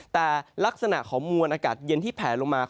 แต่ลักษณะของมวลอากาศเย็นที่แผลลงมา